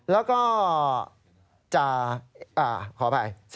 แล้วก็จะขออภัย